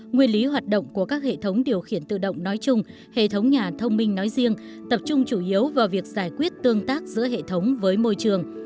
nguyên lý hoạt động của các hệ thống điều khiển tự động nói chung hệ thống nhà thông minh nói riêng tập trung chủ yếu vào việc giải quyết tương tác giữa hệ thống với môi trường